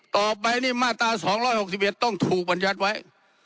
ต่อไปนี่มาตรา๒๖๑ต้องถูกบรรยัติไว้